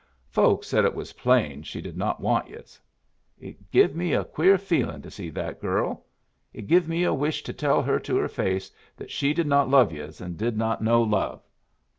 Folks said it was plain she did not want yus. It give me a queer feelin' to see that girl. It give me a wish to tell her to her face that she did not love yus and did not know love.